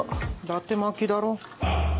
だて巻きだろ？